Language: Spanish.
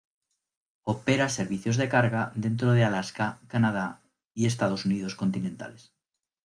Opera servicios de carga dentro de Alaska, Canadá y Estados Unidos continentales.